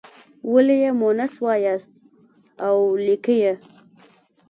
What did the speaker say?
ولې یې مونث وایاست او لیکئ یې.